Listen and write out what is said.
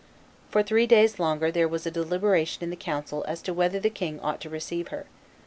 For three days longer there was a deliberation in the council as to whether the king ought to receive her.